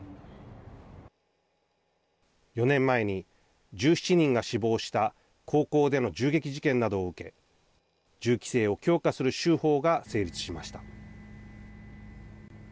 ４年前に１７人が死亡した高校での銃撃事件などを受け銃規制を強化する州法が成立しました。